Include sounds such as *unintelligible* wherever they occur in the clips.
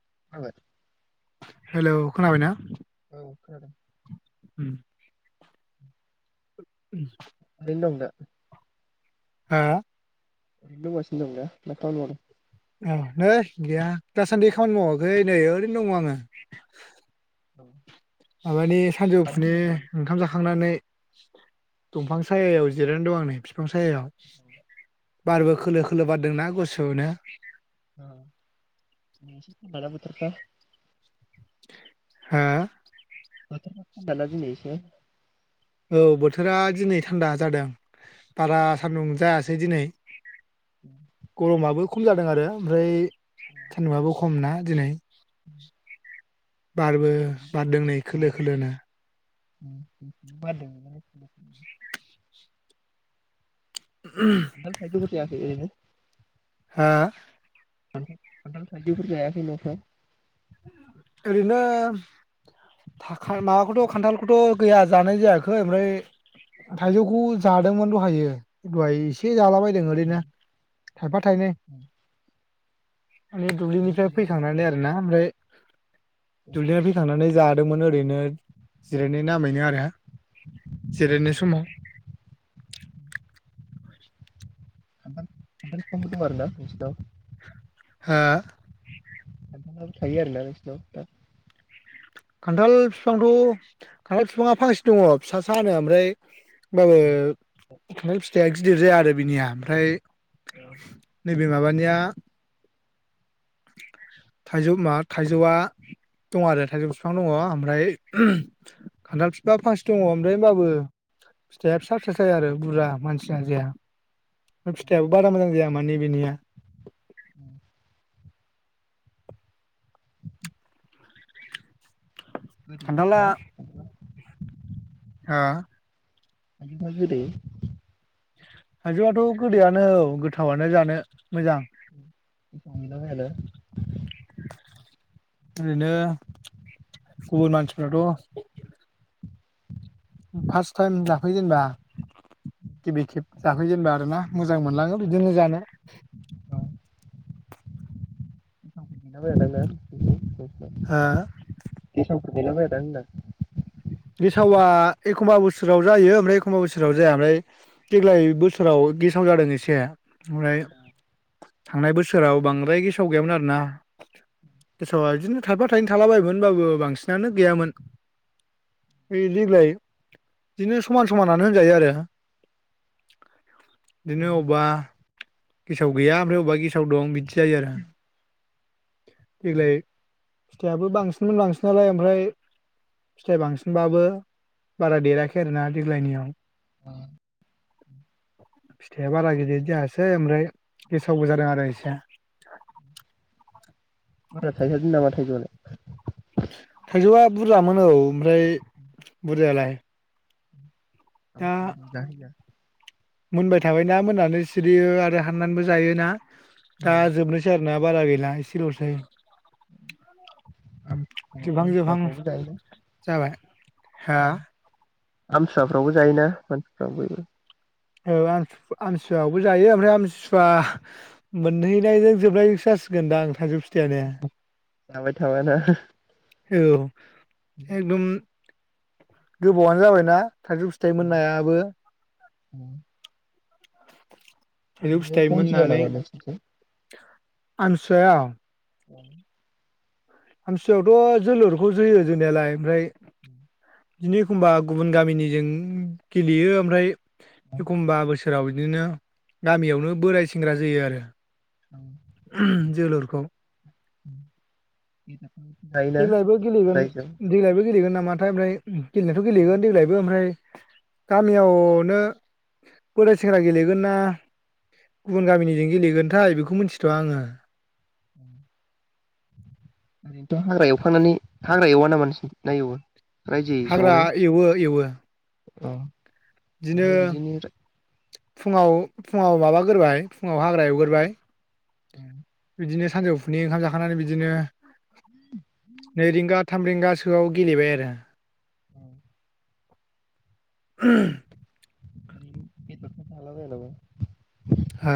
*unintelligible* Hello खोनाबायना? औ खोनादों। उम उम बिदिनोदं दा हा ओरैनो दंगासिनो दं दा ना खामानि मावदों। औ नै गैया दासानदि खामानि मावाखै नै ओरैनो दङ आङो। औ माबानि कारेन्ट सानजौफुनि फैबाय नामा नोंसिनिथिं? ओंखाम जाखांनानै दंफां सायायाव जिरायनानै दं आं नै बिफां सायायाव बारबो खोलो खोलो बा रदोंना गोसोनो ओ बिदिनोसै माला बोथोरफोरा हा *unintelligible* दिनै एसे औ बोथोरा दिनै थानदा जादों। बारा सानदों जाया। सै दिनै उ गरमाबो खम जादों आरो ओमफ्राय सानदुंङाबो खमना दिनै उ बारबो बारदोंनै खोलो खोलोनो *unintelligible* खानथाल थाइजौफोर जायाखै ओरैनो हा खानथाल थाइजौफोर जायाखै नोंथां ओरैनो था माबाखौथ' खान्थालखौथ' गैया जानाय जायाखै ओमफ्राय थाइजौखौ जादोंमोन द' हायो दहाय एसे जालाबाय लै ओरैनो न'आव थायफा थायनै माने दुब्लिनिफ्राय थायो आरोना फैखांनानै आरो ना ओमफ्राय दुब्लिनिफ्राय फैखांना नै जादोंमोन ओरैनो जिरायनाय नामैनो आरो जिरायनाय समाव खान्थाल खान्थाल फिफांबो दं आरोना नोंसिनाव हा खान्थालाबो थायो आरो ना नोंसिनाव दा खान्थाल बिफांथ' खान्थाल बिफाङा फांसे दङ फिसा सानो ओमफ्राय होमबाबो खान्थाल फिथाइया गिदिर जाया आरो बिनिया ओमफ्राय नै बे माबानिया थाइजौ मा थाइजौआ दं आरो थाइजौ बिफां दङ ओमफ्राय खान्थाल बिफा फांसे दङ ओमफ्राय होमबाबो फिथाइया फिसा फिसासो जायो आरो बुरजा मानसिना जाजाया ओमफाय फिथाइयाबो बारा मोजां जाया माने बिनिया उ गोदै खान्थाला ना खान्थाला ओ थाइजौफोरा गोदै थायजौआथ' गोदैयानो औ गो *unintelligible* ओरैनो गुबुन मानसिफ्राथ' फार्स्ट टाइम जाफैजेनबा गिबि खेब जाफैजेनबा आरोना मोजां मोनलाङो बिदिनो जानो ओ *unintelligible* गेसाव *unintelligible* गेसावा एखमबा बोसोराव जायो ओमफ्राय एखमबा बोसोराव जाया ओमफ्राय देग्लाय बोसोराव गेसाव जादों एसे ओमफ्राय थांनाय बोसोराव बांद्राय गेसाव गैयामोन आरोना गेसावआ इदिनो थायफा थायनै थालाबायो मोन होनबाबो बांसिनानो गैयामोन ओइ देग्लाय इदिनो समान समानानो होनजायो आरो दिनो अबबा गेसाव गैया ओमफ्राय अबा गेसाव दं बिदि जायो आरो देग्लाय फिथाइ आबो बांसिनमोन बांसिनालाय ओमफ्राय फिथाइ बांसिन बाबो बारा देराखै आरोना देग्लायनियाव आ फिथाइया बारा गिदिद जायासै ओमफ्राय गेसावबो जादों आरो एसे बारा थायथारदों नामा थाइजौ आलाय थाइजौआ बुरजामोन औ ओमफ्राय बुरजायालाय दा *unintelligible* दा मोननानै सिरियो आरो हाननानैबो जायोना दा जोबनोसै आरोना बारा गैला एसे लसै जोबहां जोबाहां आमसुवाफ्रावबो जायोना जाबाय हो आमथिसुवाफ्रावबो जायोना मानसिफ्रा बयबो औ आमथि आमथिसुवायावबो जायो ओमफ्राय आमथिस बा मोनहैनायजों जोबनायजोंसो जासिगोन दां थाइजौ फि जाबाय थाबाना औ एकदम गोबावानो जाबायना थाइजौ फिथाइ मोननायाबो *unintelligible* थाइजौ ओरैनो फिथाइ *unintelligible* जाया मोननानै नामा नोंसिनिथिं *unintelligible* औ आमथिसुवायावथ' जोलुरखौ जोयो जोनायालाय ओमफ्राय *unintelligible* बिदिनो एखमबा गुबुन गामिनिजों गेलेयो ओमफ्राय एखमबा बोसोर बोसोराव बिदिनो गामियावनो बोराय सेंग्रा जोयो आरो *unintelligible* जोलुरखौ *unintelligible* जायोना देग्लायबो गेलेगोन देग्लायबो गेलेगोन नामा नामाथाय ओमफ्राय उ गेलेनायाथ' गेलेगोन रायजोआव देग्लायबो ओमफ्राय गामियावनो बोराइ सेंग्रा गेलेगोन ना गुबुन गामिनिजों गेलेगोनथाय बेखौ मिथिथ'आ आङो ओरैनोथ' हाग्रा एवखांनानै हाग्रा एववा नामा नोंसिनथिं ना एववो हाग्रा एवो एवो औ ओमफाय बिदिनो राय फुङाव फुङाव माबागोरबाय फुङाव हाग्रा एवगोरबाय बिदिनो सानजौफुनि ओंखाम जाखांनानै बिदिनो *unintelligible* थाम रिंगासोआव गेलेबाय आरो औ *unintelligible* *unintelligible* हा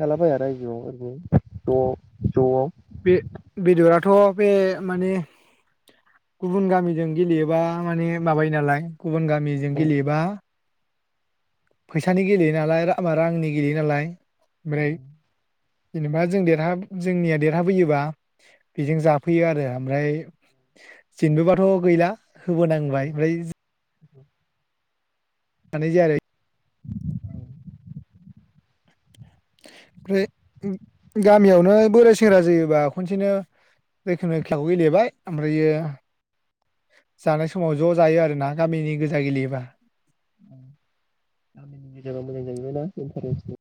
हाला बाया आरो रायजोआव ओरै ज' ज'आव बे बेदराथ' बे माने गुबुन गामिजों गेलेयोबा माने माबायो नालाय गुबुन गामिजों गेलेयोबा फैसानि गेलेयो नालाय रांनि गेलेयो नालाय माने जेनेबा जों देरहा जोंनिया देरहाबोयोबा बेजों जाफैयो आरो ओमफ्राय जेनबोबाथ' गैला होबोनांबाय ओमफ्राय जानाय जाया आरो ओमफ्राय गामियावनो बोराय सेंग्रा जायोबा खनसेनो जैखोमनि खेलाखौ गेलेबाय ओमफ्रायो जानाय समाव ज' जायो आरोना गामिनि गोजा गेलेयोबा गामिनि गेजेराव मोजां जाहैबाय ना इन्टारनेट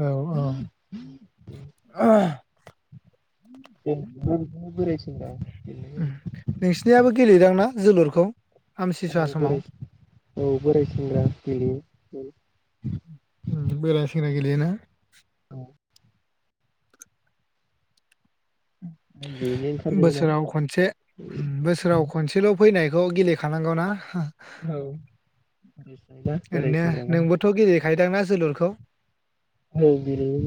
औ औ *unintelligible* नोंसिनियाबो गेलेयोदां ना जोलुरखौ आमथिसुवा औ समाव बोराय औ बोराय सेंग्रा गेलेयो गेलयो ना रायजोयैनो ओंखारजोबोना बोसोराव खनसे बोसोराव खनसेल' फैनाय बेखौ गेलेखानांगौना। औ थायोना बोराय ओरैनो सेंग्राबा नोंबोथ' गेलेखायोदांना जोलुरखौ औ गेलेयो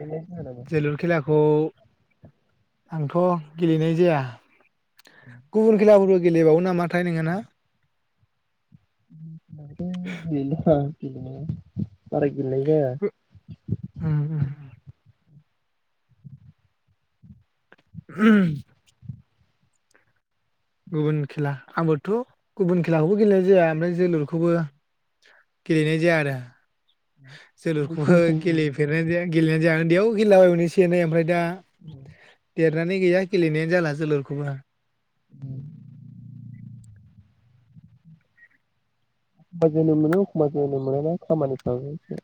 गेलेनाया गेलेनाय जाया नामा जोलुर खेलाखौ? आंथ' गेलेनाय जाया। गुबुन खेलाफोरबो गेलेबावो नामाथाय नोङो ना। *unintelligible* बिदिनो बारा गेलेनाय जाया। उम *unintelligible* गुबुन खेला आंबोथ' गुबुन खेलाखौबो गेलेनाय जाया ओमफ्राय जोलुरखौबो गेलेनाय जाया आरो। आंबो जोलुरखौबो सम सम गेलेफेरनानै गेलेनानै जाया। दैयाव गेलेला बायोमोन एसे एनै ओमफ्राय दा देरनानै गैया गेलेनायानो जाला जोलुरखौबो औ एखमबा जोलोममोनो एखमबा जोलोम मोना खामानिफ्राबो एसे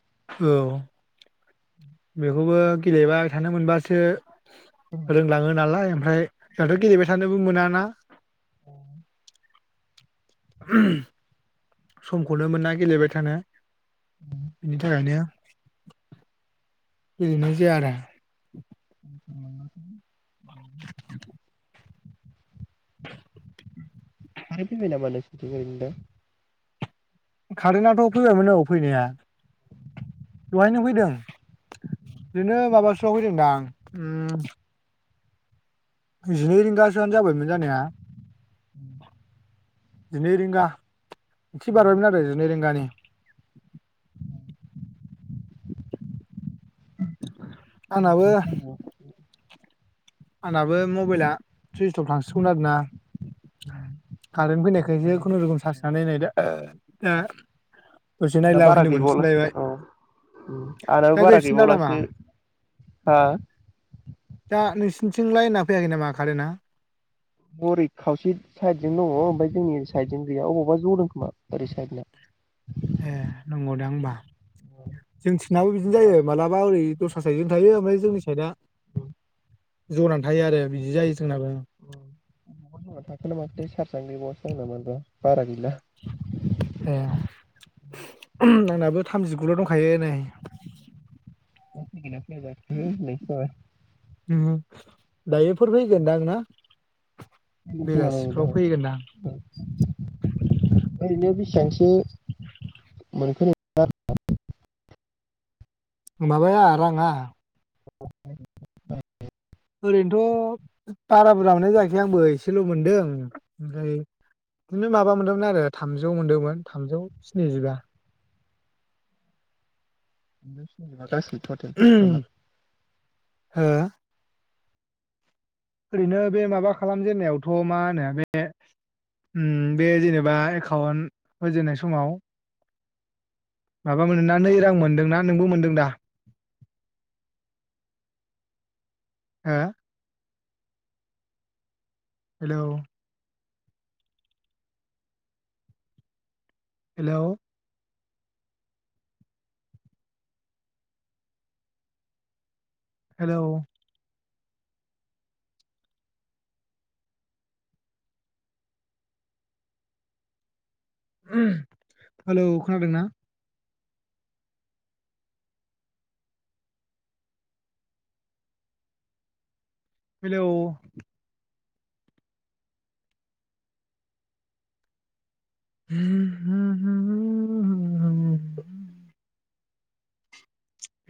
औ बेखौबो गेलेबाय थानो मोनबासो रोंलाङो नालाय ओमफ्राय जोंहाथ' गेलेबाय थानोबो मोनाना अम समखौनो मोना गेलेबाय थानो। बिनि थाखायनो बिदिनोसै आरो *unintelligible* *inaudible* खारें फैबाय नामा नोंसोनिथि ओरैनो दा? खारेनाथ' फैबायमोन औ फैनाया दहायनो फैदों बिदिनो माबासोआव फैदोंदां। जिनै रिंगासोआनो जाबायमोन जानाया उम जिनै रिंगा एसे बारबायमोन आरो जिनै रिंगानि *inaudible* आंनाबो जोंनिथिं फैबावा आंनाबो मबाइला सुइसअफ थांसिगौमोन आरोना कारेनट फैनायखायसो आंना खुनुरुखुम चार्ज होनानै नायदो ओह हा आंना बारा गैबावलासो औ उ आंनाबो दा बारा गैफिनला नामा गैबावलासो हा सिथिंलाय लाइनाफैयाखै नामा कारेना? बोरै खावसे साइदजों दङ ओमफ्राय जोंनि ओरै साइड जों गैया अबावबा जदों खोमा ओरै साइडना ए नंगौदां होनबा जों नाबो बिदि जायो मालाबा ओरै दस्रा साइदजों थायो ओमफ्राय जोंनि खायदा जोंना जनानै थायो आरो बिदि जायो जोंनाबो उ थार जना थाखो ना माखौथाय सार्जनो गैबावासो आंना मानोबा बारा गैला उ आंनाबो थामजिगुल' दंखायो नै *unintelligible* *unintelligible* होननायसो जाबाय उ दायोफोर फैगोनदां ना फैगोनखोमा ओं बेलासिफ्राव फैगोनदां दाहाय उ ओरैनो बेसिबांसो मोनखो *unintelligible* माबाया राङा *unintelligible* ओरैनोथ' बारा बुरजा मोननाय जायाखै आंबो एसेल' मोनदों ओमफ्राय बिदिनो माबा मोनदोंमोन आरो थामजौ मोनदोंमोन थामजौ स्निजिबा थामजौ स्निजिबा गासै थटेल नामा हो ओरैनो बे माबा खालामजेननायावथ' मा होनो बे ओ बे जेनेबा एकाउन्ट होजेननाय समाव माबा मोनदों ना नै रां मोनदोंना‌ नोंबो मोनदों दा *inaudible* हो हेलौ हेलौ हेलौ हेलौ खोनादोंना हेलौ *unintelligible*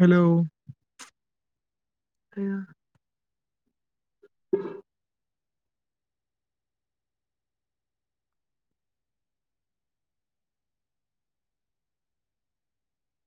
हेलौ आया *inaudible*